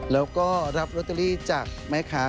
แล้วก็รับลอตเตอรี่จากแม่ค้า